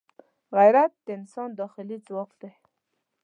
غیرت د انسان داخلي ځواک دی